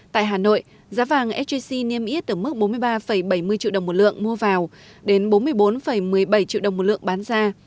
tại hà nội giá vàng sjc niêm yết ở mức bốn mươi ba bảy mươi triệu đồng một lượng mua vào đến bốn mươi bốn một mươi bảy triệu đồng một lượng bán ra